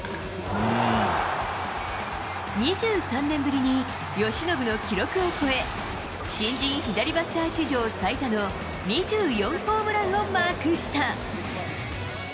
２３年ぶりに由伸の記録を超え新人左バッター史上最多の２４ホームランをマークした。